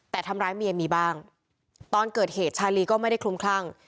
แต่ทำร้ายเมียมีบ้างตอนเกิดเหตุชาลีก็ไม่ได้คลุมคลั่ง